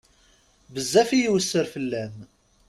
Bezzef i iwesser fell-am.